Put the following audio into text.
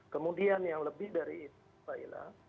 kemudian yang lebih dari itu mbak ila